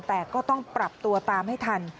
แต่ก็ต้องปรับตัวตามให้ทัน